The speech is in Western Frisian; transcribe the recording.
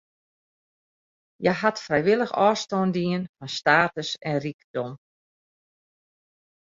Hja hat frijwillich ôfstân dien fan status en rykdom.